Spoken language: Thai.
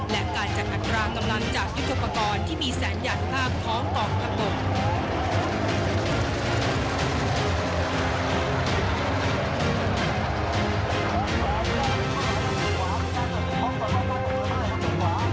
และการจัดการภารกราบตำลังจากยุทธปกรที่มีแสงอย่างภาพพร้อมต่อปกติ